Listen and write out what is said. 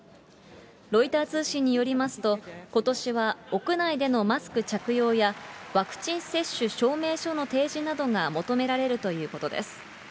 ロイター通信によりますと、ことしは屋内でのマスク着用や、ワクチン接種証明書の提示などが求められるということです。